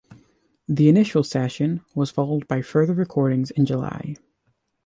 The initial session was followed by further recordings in July.